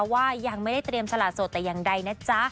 ว่ายังไม่ได้เตรียมสละโสดแต่อย่างใดนะจ๊ะ